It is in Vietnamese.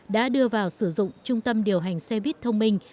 đã đưa vào sử dụng trung tâm điều hành xe buýt thông minh